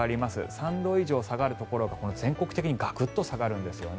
３度以上下がるところ全国的にガクッと下がるんですよね。